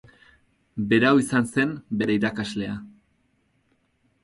Berau izan zen bere irakaslea.